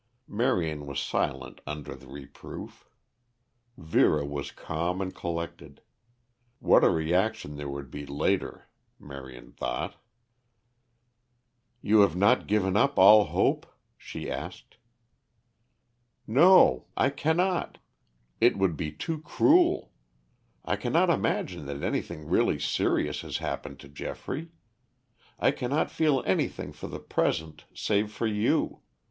Marion was silent under the reproof. Vera was calm and collected. What a reaction there would be later, Marion thought. "You have not given up all hope?" she asked. "No, I cannot. It would be too cruel. I cannot imagine that anything really serious has happened to Geoffrey. I cannot feel anything for the present, save for you.